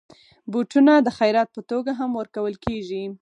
بوټونه د خيرات په توګه هم ورکول کېږي.